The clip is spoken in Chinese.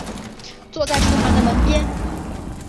坐在厨房的门边